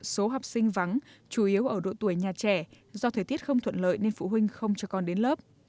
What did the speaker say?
số học sinh vắng chủ yếu ở độ tuổi nhà trẻ do thời tiết không thuận lợi nên phụ huynh không cho con đến lớp